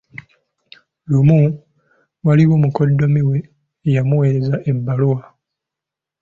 Lumu, waliwo mukoddomi we eyamuweereza ebbaluwa.